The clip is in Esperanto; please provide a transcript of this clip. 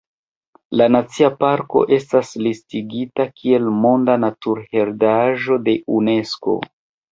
La nacia parko estas listigita kiel Monda Naturheredaĵo de Unesko.